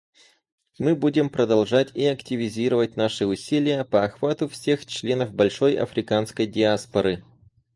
Мы будем продолжать и активизировать наши усилия по охвату всех членов большой африканской диаспоры.